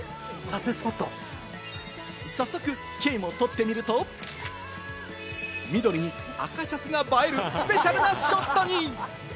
早速、兄も撮ってみると、緑に赤シャツが映えるスペシャルなショットに。